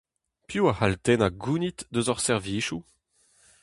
Piv a c'hall tennañ gounid eus hor servijoù ?